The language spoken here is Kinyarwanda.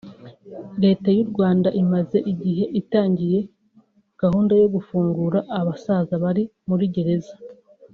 Leta y’u Rwanda imaze igihe itangiye gahunda yo gufungura abasaza bari muri gereza